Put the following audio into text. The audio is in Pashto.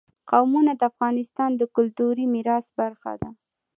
قومونه د افغانستان د کلتوري میراث برخه ده.